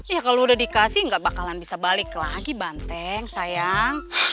ya kalau udah dikasih nggak bakalan bisa balik lagi banteng sayang